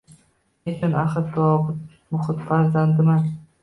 Nechun axir tuban muhit farzandiman